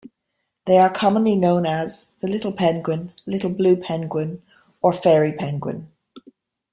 They are commonly known as the little penguin, little blue penguin, or fairy penguin.